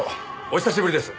お久しぶりです。